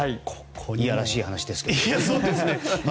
いやらしい話ですけど。